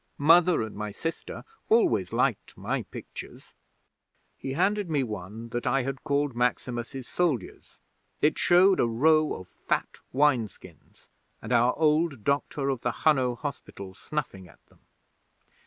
Mother and my sister always liked my pictures. 'He handed me one that I had called "Maximus's Soldiers". It showed a row of fat wine skins, and our old Doctor of the Hunno hospital snuffing at them.